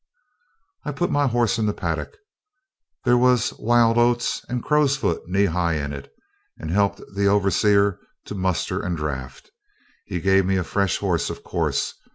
I put my horses in the paddock there was wild oats and crowsfoot knee high in it and helped the overseer to muster and draft. He gave me a fresh horse, of course.